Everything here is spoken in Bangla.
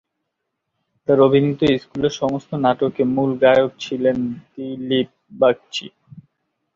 তার অভিনীত স্কুলের সমস্ত নাটকে মূল গায়ক ছিলেন দিলীপ বাগচী।